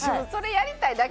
やりたいだけ。